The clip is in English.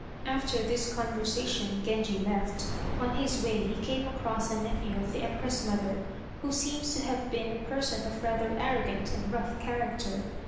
After this conversation Genji left. On his way he came across a nephew of the Empress mother, who seems to have been a person of rather arrogant and rough character.